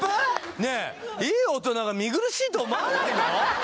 ねえいい大人が見苦しいと思わないの？